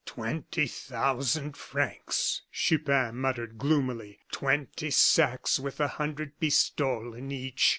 "Twenty thousand francs," Chupin muttered gloomily; "twenty sacks with a hundred pistoles in each!